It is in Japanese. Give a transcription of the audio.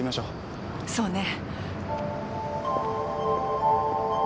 そうね。